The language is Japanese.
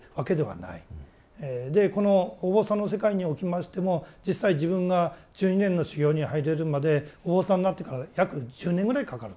でこのお坊さんの世界におきましても実際自分が１２年の修行に入れるまでお坊さんになってから約１０年ぐらいかかるんですね。